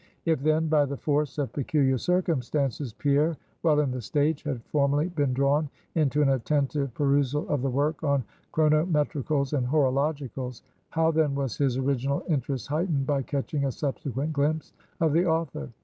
If then, by the force of peculiar circumstances, Pierre while in the stage, had formerly been drawn into an attentive perusal of the work on "Chronometricals and Horologicals;" how then was his original interest heightened by catching a subsequent glimpse of the author.